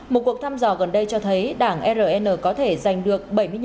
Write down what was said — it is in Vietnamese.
một cuộc thăm dò gần đây cho thấy đảng rn có thể giành được bảy mươi năm